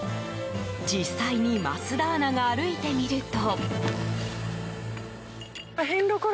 実際に桝田アナが歩いてみると。